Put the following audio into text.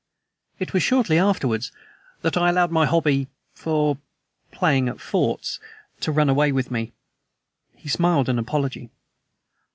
"It was shortly afterwards that I allowed my hobby for playing at forts to run away with me." He smiled an apology.